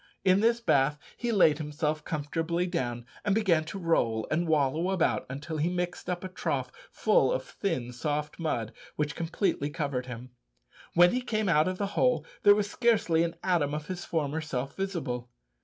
In this bath he laid himself comfortably down, and began to roll and wallow about until he mixed up a trough full of thin soft mud, which completely covered him. When he came out of the hole there was scarcely an atom of his former self visible!